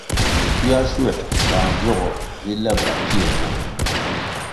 Tioa schuē ndtang vyogo vi lebʼla pfie nwo.